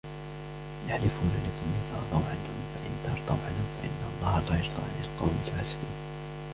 يَحْلِفُونَ لَكُمْ لِتَرْضَوْا عَنْهُمْ فَإِنْ تَرْضَوْا عَنْهُمْ فَإِنَّ اللَّهَ لَا يَرْضَى عَنِ الْقَوْمِ الْفَاسِقِينَ